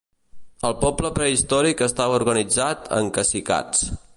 El poble prehistòric estava organitzat en cacicats.